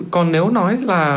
còn nếu nói là